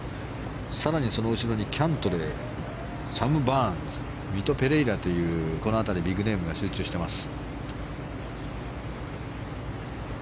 更にその後ろにキャントレーサム・バーンズミト・ペレイラというこの辺り、ビッグネームが集中しています。